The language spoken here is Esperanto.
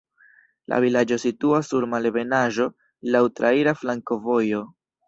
La vilaĝo situas sur malebenaĵo, laŭ traira flankovojo.